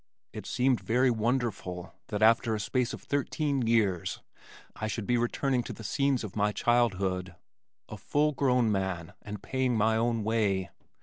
It seemed very wonderful that after a space of thirteen years I should be returning to the scenes of my childhood, a full grown man and paying my own way.